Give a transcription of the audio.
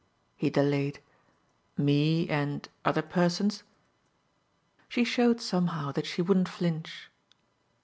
He delayed. "Me and other persons." She showed somehow that she wouldn't flinch.